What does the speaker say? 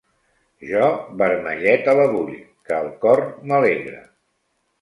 Jo vermelleta la vull, que el cor m’alegra.